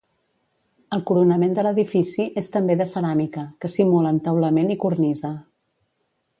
El coronament de l'edifici és també de ceràmica, que simula entaulament i cornisa.